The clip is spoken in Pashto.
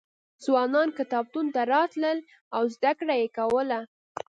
ځوانان کتابتون ته راتلل او زده کړه یې کوله.